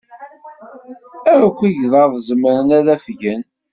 Akk igḍaḍ zemren ad afgen?